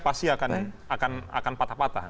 pasti akan patah patah